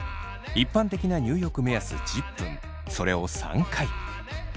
一般的な入浴目安１０分それを３回。